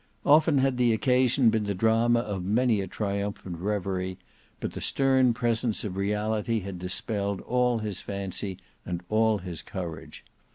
Often had the occasion been the drama of many a triumphant reverie, but the stern presence of reality had dispelled all his fancy and all his courage.